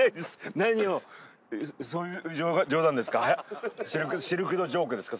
何をそういう冗談ですか？